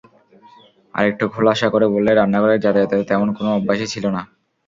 আরেকটু খোলাসা করে বললে, রান্নাঘরে যাতায়াতের তেমন কোনো অভ্যাসই ছিল না।